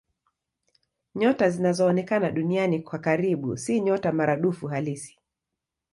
Nyota zinazoonekana Duniani kuwa karibu si nyota maradufu halisi.